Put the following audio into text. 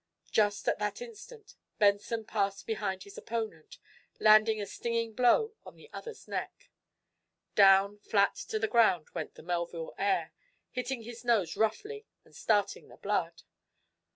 Just at that instant Benson passed behind his opponent, landing a stinging blow on the other's neck. Down flat to the ground went the Melville heir, hitting his nose roughly and starting the blood.